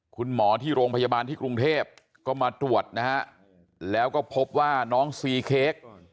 คุณหมอที่โรงพยาบาลที่กรุงเทพก็มาตรวจนะฮะแล้วก็พบว่าน้องซีเค้ก